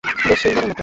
বেশ, শেষবারের মতো।